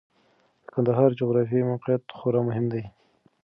د کندهار جغرافیايي موقعیت خورا مهم دی.